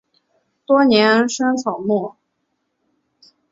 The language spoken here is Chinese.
多年生草本。